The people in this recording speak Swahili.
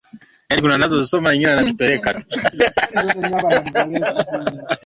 tetemeko hilo lenye ukubwa wa richta nane nukta tisa